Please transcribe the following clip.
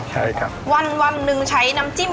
ใช่ครับวันนึงใช้น้ำจิ้ม